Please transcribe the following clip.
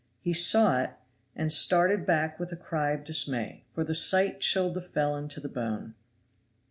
He saw it, and started back with a cry of dismay, for the sight chilled the felon to the bone.